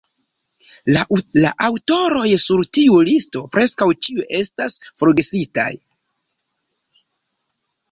La aŭtoroj sur tiu listo preskaŭ ĉiuj estas forgesitaj.